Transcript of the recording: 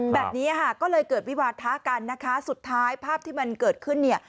แบบนี้ค่ะก็เลยเกิดวิวาทะกันนะคะสุดท้ายภาพที่มันเกิดขึ้นเนี่ย